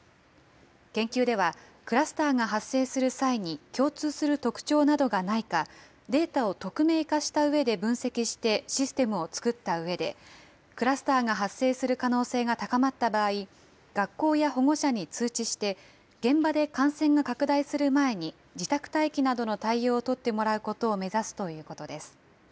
研究では、クラスターが発生する際に共通する特徴などがないか、データを匿名化したうえで分析して、システムを作ったうえで、クラスターが発生する可能性が高まった場合、学校や保護者に通知して、現場で感染が拡大する前に、自宅待機などの対応を取ってもらうことを目指すということです。